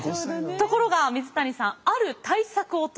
ところが水谷さんある対策を取りました。